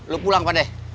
lu pulang pak deh